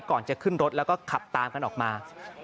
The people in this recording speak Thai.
ก่อนจะขึ้นรถแล้วก็ขับตามกันออกมา